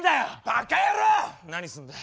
何すんだよ。